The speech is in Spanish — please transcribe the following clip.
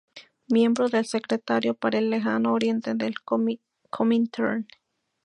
Miembro del secretariado para el Lejano Oriente del Comintern.